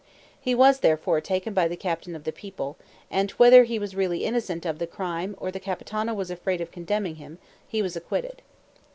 He was, therefore, taken by the captain of the people, and whether he was really innocent of the crime or the Capitano was afraid of condemning him, he was acquitted.